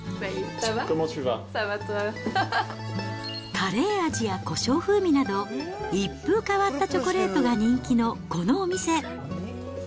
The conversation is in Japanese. カレー味やこしょう風味など、一風変わったチョコレートが人気のこのお店。